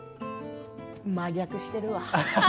真逆してるわ。